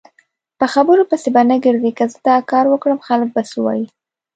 په خبرو پسې به نه ګرځی که زه داکاروکړم خلک به څه وایي؟